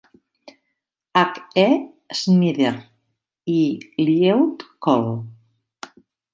H. E. Snider i Lieut-Col.